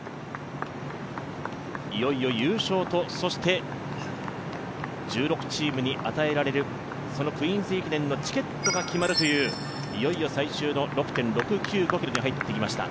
いよいよ優勝と、そして１６チームに与えられるクイーンズ駅伝のチケットが決まるという、いよいよ最終の６．６９５ｋｍに入ってきました。